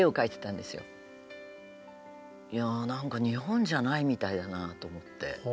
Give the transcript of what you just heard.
何か日本じゃないみたいだなと思って。